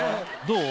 どう？